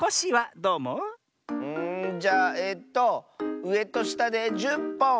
んじゃあえとうえとしたで１０ぽん！